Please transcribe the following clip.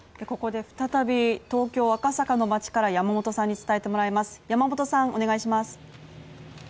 ここで再び東京・赤坂の街から山本さんに伝えてもらいます。